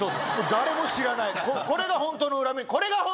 誰も知らないこれがホントの裏メニュー。